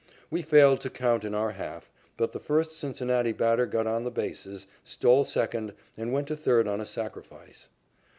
We failed to count in our half, but the first Cincinnati batter got on the bases, stole second, and went to third on a sacrifice.